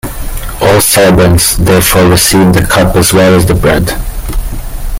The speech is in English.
All celebrants therefore receive the cup as well as the bread.